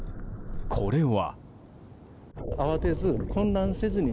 これは。